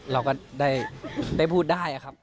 เราก็ได้พูดได้ครับ